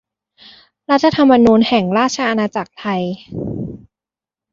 รัฐธรรมนูญแห่งราชอาณาจักรไทย